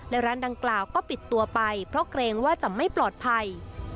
และร้านดังกล่าวก็ปิดตัวไปเพราะเกรงว่าจะไม่ปลอดภัย